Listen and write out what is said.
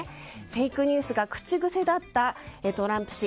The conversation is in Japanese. フェイクニュースが口癖だったトランプ氏